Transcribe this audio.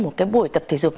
một buổi tập thể dục